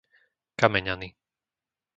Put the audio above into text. Kameňany